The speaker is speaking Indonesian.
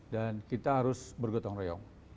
dan kita harus bergetong reyong